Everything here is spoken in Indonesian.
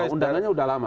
undangannya sudah lama